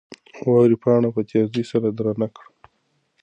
واورې پاڼه په تېزۍ سره درنه کړه.